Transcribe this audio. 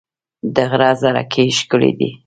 د غره زرکې ښکلې دي